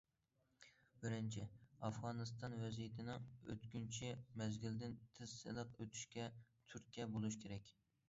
بىرىنچى، ئافغانىستان ۋەزىيىتىنىڭ ئۆتكۈنچى مەزگىلدىن تېز، سىلىق ئۆتۈشىگە تۈرتكە بولۇش كېرەك.